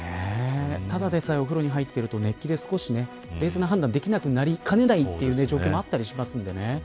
ただでさえお風呂に入っていると熱気で冷静な判断ができなくなりかねない状況もあったりしますんでね。